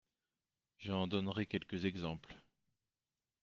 J’en donnerai quelques exemples.